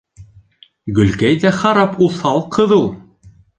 — Гөлкәй ҙә харап уҫал ҡыҙ ул.